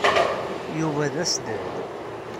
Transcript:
Yuba d asdad.